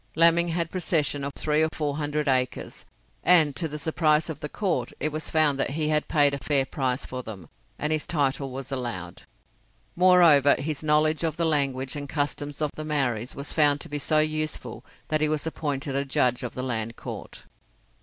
Laming had possession of three or four hundred acres, and to the surprise of the Court it was found that he had paid a fair price for them, and his title was allowed. Moreover, his knowledge of the language and customs of the Maoris was found to be so useful that he was appointed a Judge of the Land Court.